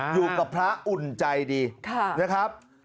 อยู่กับพระอุ่นใจดีนะครับ